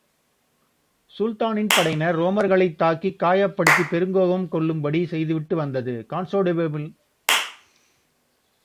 சுல்தானின் படையினர் ரோமர்களைத் தாக்கிக் காயப்படுத்திப் பெருங்கோபம் கொள்ளும்படி செய்துவிட்டு வந்தது, கான்ஸ்டாண்டி நோபிள் பேரரசரின் பெருஞ்சினத்தைக் கிளப்பிவிட்டது.